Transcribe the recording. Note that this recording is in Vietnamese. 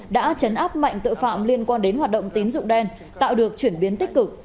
đã chấn áp mạnh tội phạm liên quan đến hoạt động tín dụng đen tạo được chuyển biến tích cực